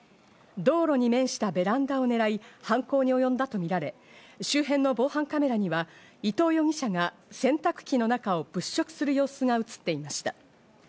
道路に面したベランダを狙い、犯行におよんだとみられ、周辺の防犯カメラには伊藤容疑者が洗濯機の中を物色する様子が映っていました。